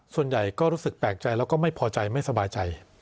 ส่วนใหญ่ก็รู้สึกแปลกใจแล้วก็ไม่พอใจไม่สบายใจ